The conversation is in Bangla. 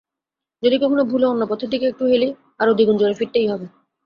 যদি কখনো ভুলে অন্য পথের দিকে একটু হেলি আবার দ্বিগুণ জোরে ফিরতেই হবে।